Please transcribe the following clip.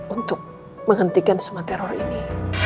untuk menghentikan semua teror ini